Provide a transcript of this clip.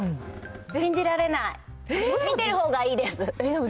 信じられない、見てるほうがいいです。